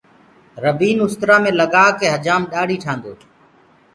ربينٚ اُسترآ مينٚ لگآ ڪي هجآم ڏآڙهي ٺآندو هي۔